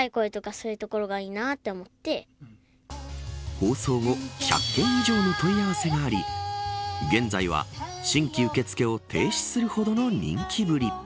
放送後１００件以上の問い合わせがあり現在は、新規受け付けを停止するほどの人気ぶり。